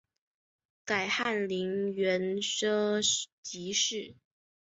改翰林院庶吉士。